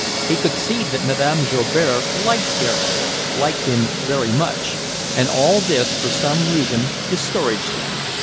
He could see that Mme. Joubert liked Gerhardt, liked him very much; and all this, for some reason, discouraged him.